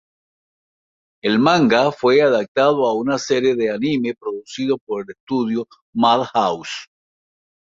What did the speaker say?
El manga fue adaptado a una serie de anime producida por el estudio Madhouse.